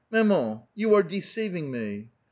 " Maman^ you are deceiving me !